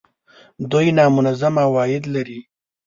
دوی نامنظم عواید لري